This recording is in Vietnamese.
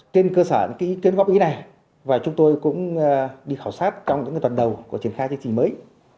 trên cơ sở ý kiến góp ý này và chúng tôi cũng đi khảo sát trong những tuần đầu của triển khai chương trình mới